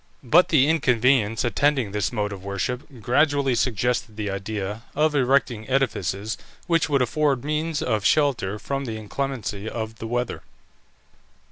But the inconvenience attending this mode of worship gradually suggested the idea of erecting edifices which would afford means of shelter from the inclemency of the weather.